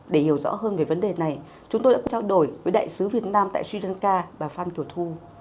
để hiểu rõ hơn về vấn đề này chúng tôi đã trao đổi với đại sứ việt nam tại sri lanka và phan kiều thu